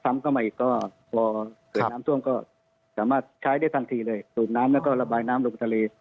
เข้ามาอีกก็พอเกิดน้ำท่วมก็สามารถใช้ได้ทันทีเลยสูบน้ำแล้วก็ระบายน้ำลงทะเล